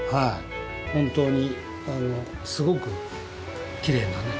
本当にすごくきれいなね